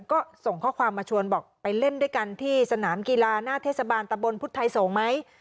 ก็ส่งข้อความมาชวนบอกไปเล่นด้วยกันที่สนามกีฬาหน้าเทศบาลตะบนพุทธไทยสงฆ์ไหม